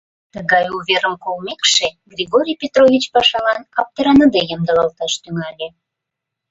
Тыгай уверым колмекше, Григорий Петрович пашалан аптыраныде ямдылалташ тӱҥале.